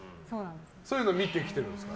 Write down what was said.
そういうのは見てきてますか？